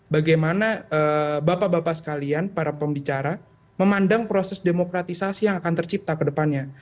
bagaimana bapak bapak sekalian para pembicara memandang proses demokratisasi yang akan tercipta ke depannya